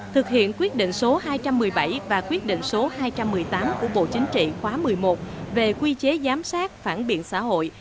thực hiện quyết định số hai trăm một mươi bảy và quyết định số hai trăm một mươi tám của bộ chính trị khóa một mươi một về quy chế giám sát phản biện xã hội